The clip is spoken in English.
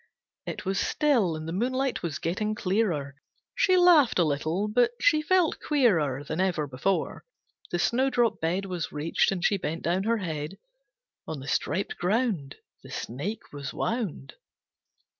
It was still, and the moonlight was getting clearer. She laughed a little, but she felt queerer Than ever before. The snowdrop bed Was reached and she bent down her head. On the striped ground The snake was wound.